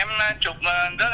đầu tiên là chụp tách võ